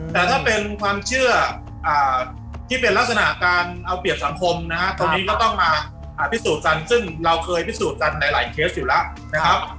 แต่ถ้าเป็นความเชื่อที่เป็นลักษณะการเอาเปรียบสังคมนะฮะตรงนี้ก็ต้องมาพิสูจน์กันซึ่งเราเคยพิสูจน์กันในหลายเคสอยู่แล้วนะครับ